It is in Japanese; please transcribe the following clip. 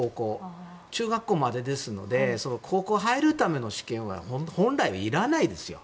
中学校までですので高校に入るための試験は本来はいらないですよ。